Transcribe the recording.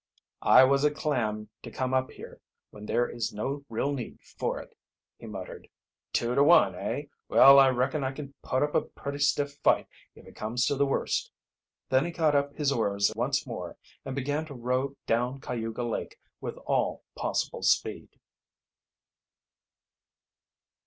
"I was a clam to come up here, when there is no real need for it," he muttered. "Two to one, eh? Well, I reckon I can put up a pretty stiff fight if it comes to the worst." Then he caught up his oars once more, and began to row down Cayuga Lake with all possible speed.